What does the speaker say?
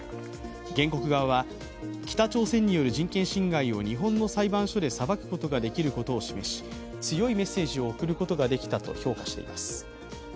原告側は、北朝鮮による人権侵害を日本の裁判所で裁くことができることを示し、強いメッセージを送ることができたと評価しています。